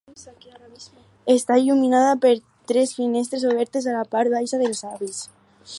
Està il·luminada per tres finestres obertes a la part baixa de l'absis.